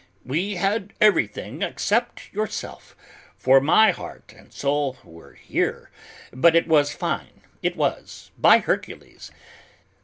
"We had everything except yourself, for my heart and soul were here, but it was fine, it was, by Hercules.